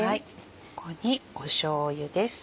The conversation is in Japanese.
ここにしょうゆです。